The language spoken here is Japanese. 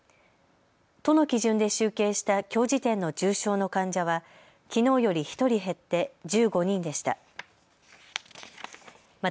都の基準で集計したきょう時点の重症の患者はきのうより１人減って１５人でした。